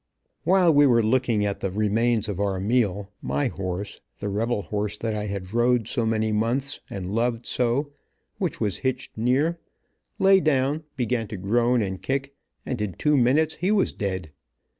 While we were looking at the remains of our meal, my horse, the rebel horse that I had rode so many months, and loved so, which was hitched near, lay down, began to groan and kick, and in two minutes he was dead.